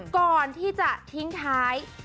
ก่อนที่จะทิ้งท้าย